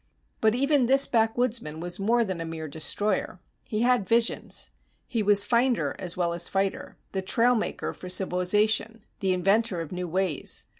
But even this backwoodsman was more than a mere destroyer. He had visions. He was finder as well as fighter the trail maker for civilization, the inventor of new ways.